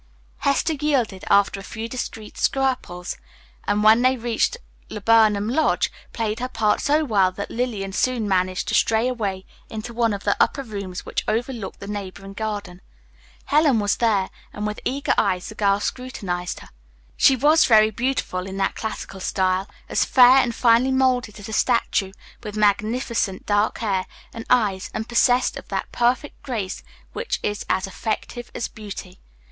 Hester yielded, after a few discreet scruples, and when they reached Laburnum Lodge played her part so well that Lillian soon managed to stray away into one of the upper rooms which overlooked the neighboring garden. Helen was there, and with eager eyes the girl scrutinized her. She was very beautiful, in the classical style; as fair and finely molded as a statue, with magnificent dark hair and eyes, and possessed of that perfect grace which is as effective as beauty.